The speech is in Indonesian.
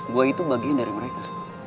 buah itu bagian dari mereka